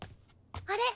あれ？